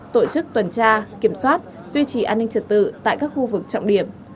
tổ chức tuần tra kiểm soát duy trì an ninh trật tự tại các khu vực trọng điểm